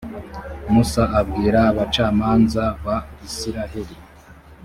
musa abwira abacamanza ba israheli.